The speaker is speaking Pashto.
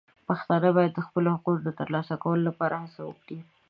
پښتانه باید د خپلو حقونو د ترلاسه کولو لپاره هڅه وکړي.